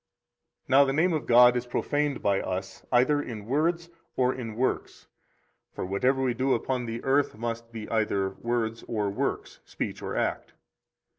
40 Now the name of God is profaned by us either in words or in works. (For whatever we do upon the earth must be either words or works, speech or act.)